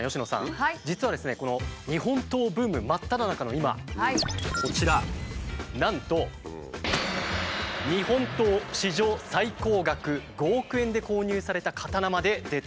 この日本刀ブーム真っただ中の今こちらなんと日本刀史上最高額５億円で購入された刀まで出てきたんです。